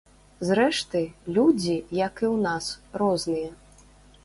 Зрэшты, людзі, як і ў нас, розныя.